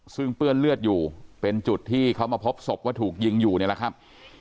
ซึ่งเปื้อนเลือดอยู่เป็นจุดที่เขามาพบศพว่าถูกยิงอยู่นี่แหละครับ